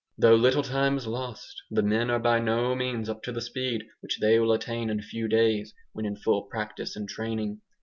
Though little time is lost, the men are by no means up to the speed which they will attain in a few days, when in full practice and training.